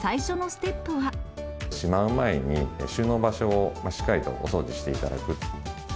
しまう前に、収納場所をしっかりとお掃除していただく。